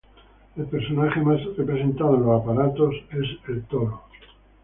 El personaje más representado en los aparatos es el Toro.